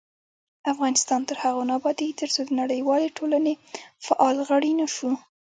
افغانستان تر هغو نه ابادیږي، ترڅو د نړیوالې ټولنې فعال غړي نشو.